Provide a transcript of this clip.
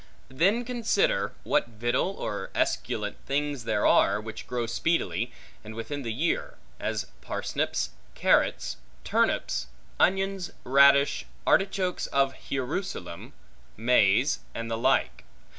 Then consider what victual or esculent things there are, which grow speedily, and within the year; as parsnips, carrots, turnips, onions, radish, artichokes of Hierusalem, maize, and the like.